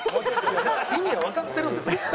意味はわかってるんですよ。